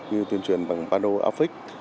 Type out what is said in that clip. như tuyên truyền bằng panel office